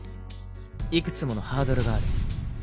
いくつものハードルがある。